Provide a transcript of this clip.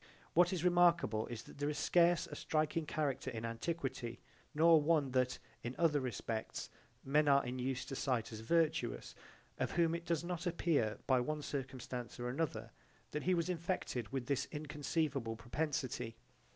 What is remarkable is that there is scarce a striking character in antiquity, nor one that in other respects men are in use to cite as virtuous, of whom it does not appear by one circumstance or another, that he was infected with this inconceivable propensity.